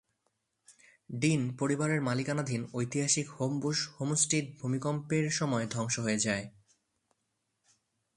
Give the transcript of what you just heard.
Dean পরিবারের মালিকানাধীন ঐতিহাসিক হোমবুশ হোমস্টিড ভূমিকম্পের সময় ধ্বংস হয়ে যায়।